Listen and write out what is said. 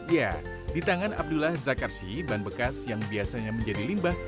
ya di tangan abdullah zakarsi ban bekas yang biasanya menjadi limbah